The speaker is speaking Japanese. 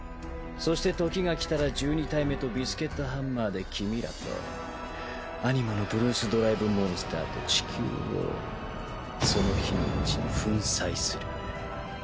そして時が来たら１２体目とビスケットハンマーで君らとアニマのブルース・ドライブ・モンスターと地球をその日のうちに粉砕する。